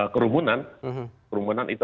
kerumunan kerumunan itu